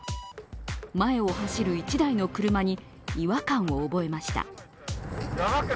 前を走る一台の車に違和感を覚えました。